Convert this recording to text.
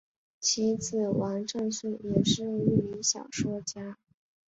其子王震绪也是一名小说家。